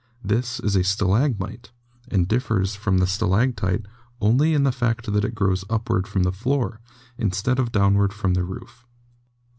This is a stalagmite, and differs from the stalactite only in the fact that it grows upward from the floor in stead of downward from the roof.